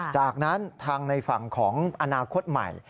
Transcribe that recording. จากนั้นทางในฝั่งของอนาคตใหม่